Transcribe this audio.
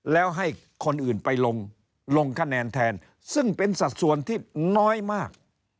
แล้วให้คนอื่นไปลงลงคะแนนแทนซึ่งเป็นสัดส่วนที่น้อยมาก